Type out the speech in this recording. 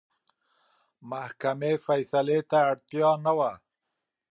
محکمې فیصلې ته اړتیا نه وه.